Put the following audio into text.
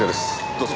どうぞ。